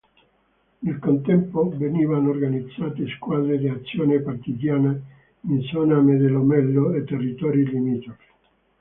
Nel contempo venivano organizzate squadre d'azione partigiana in zona Mede-Lomello e territori limitrofi.